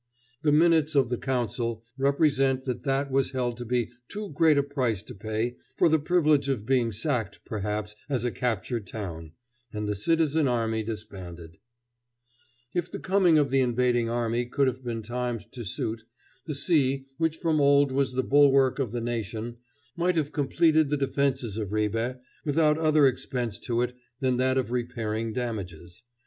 The minutes of the council represent that that was held to be too great a price to pay for the privilege of being sacked, perhaps, as a captured town; and the citizen army disbanded. [Illustration: Downstream where Ships sailed once] If the coming of the invading army could have been timed to suit, the sea, which from old was the bulwark of the nation, might have completed the defences of Ribe without other expense to it than that of repairing damages.